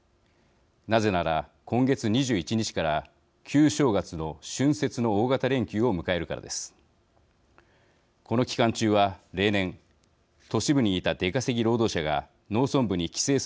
なぜなら、今月２１日から旧正月の春節の大型連休を迎えるからです。